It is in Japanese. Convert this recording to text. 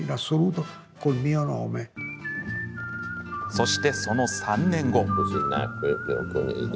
そして、その３年後。